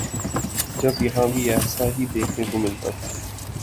جب یہاں بھی ایسا ہی دیکھنے کو ملتا تھا۔